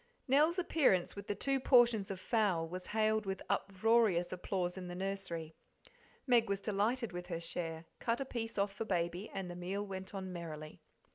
Nell's appearance with the two portions of fowl was hailed with uproarious applause in the nursery; Meg was delighted with her share; cut a piece off for Baby, and the meal went on merrily.